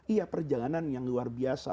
iya perjalanan yang luar biasa